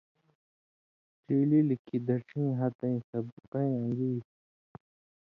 ڇیلیل کھیں دڇھیں ہتَیں سبقَیں ان٘گُوی